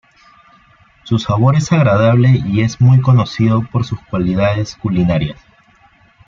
Su sabor es agradable y es muy conocido por sus cualidades culinarias.